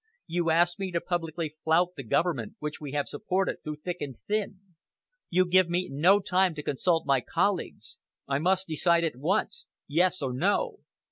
You ask me to publicly flout the government which we have supported through thick and thin. You give me no time to consult my colleagues I must decide at once, yes or no!